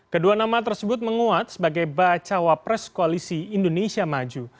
kedua nama tersebut menguat sebagai bacawa pres koalisi indonesia maju